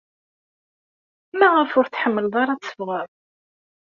Maɣef ur tḥemmled ara ad teffɣed?